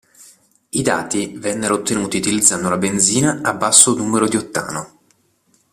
I dati vennero ottenuti utilizzando una benzina a basso numero di ottano.